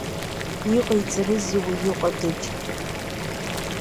Иҟаиҵарызеи уаҩы ҟадыџь.